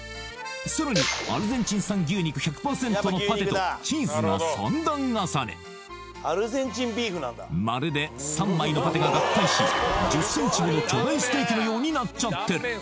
さらにアルゼンチン産牛肉１００％のパティとチーズが３段重ねまるで３枚のパティが合体し１０ｃｍもの巨大ステーキのようになっちゃってる